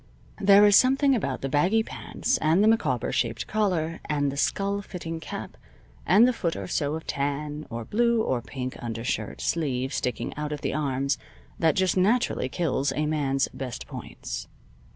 There is something about the baggy pants, and the Micawber shaped collar, and the skull fitting cap, and the foot or so of tan, or blue, or pink undershirt sleeve sticking out at the arms, that just naturally kills a man's best points.